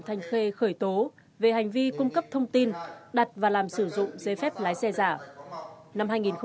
thanh khê khởi tố về hành vi cung cấp thông tin đặt và làm sử dụng giấy phép lái xe giả